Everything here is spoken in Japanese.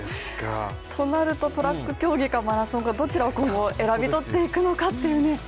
となると、トラック競技かマラソンかどちらを選び取っていくのかというね。